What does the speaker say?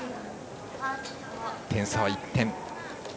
点差は１点。